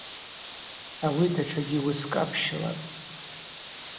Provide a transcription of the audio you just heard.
Ауи датшагьи уыскӏ апщылапӏ.